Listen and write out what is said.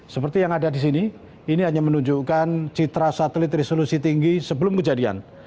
seperti yang ada di sini ini hanya menunjukkan citra satelit resolusi tinggi sebelum kejadian